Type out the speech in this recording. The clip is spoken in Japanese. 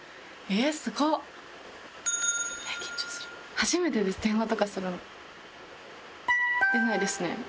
初めてです電話とかするの。出ないですね。